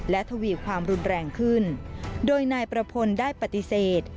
และทวีความรุนแรงขึ้นโดยนายประพลได้ปฏิเสธ